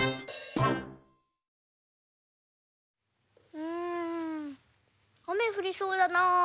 うんあめふりそうだな。